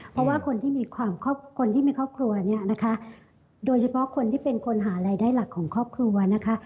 เพราะว่าคนที่มีความคนที่มีครอบครัวเนี่ยนะคะโดยเฉพาะคนที่เป็นคนหารายได้หลักของครอบครัวนะคะ